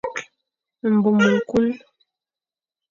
Mbom ñkul.